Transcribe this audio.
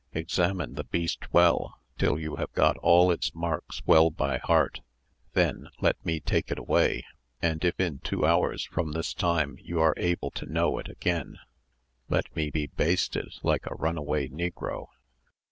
Examine the beast well, till you have got all its marks well by heart; then let me take it away, and if in two hours from this time you are able to know, it again, let me be basted like a runaway negro."